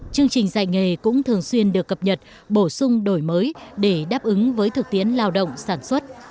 chương trình dạy nghề cũng thường xuyên được cập nhật bổ sung đổi mới để đáp ứng với thực tiến lao động sản xuất